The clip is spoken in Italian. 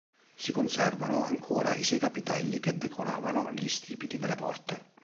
Si conservano ancora i sei capitelli che decoravano gli stipiti delle porte.